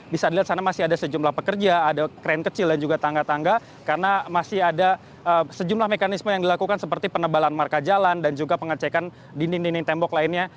bisa dilihat sana masih ada sejumlah pekerja ada kren kecil dan juga tangga tangga karena masih ada sejumlah mekanisme yang dilakukan seperti penebalan marka jalan dan juga pengecekan dinding dinding tembok lainnya